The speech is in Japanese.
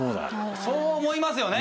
そう思いますよね。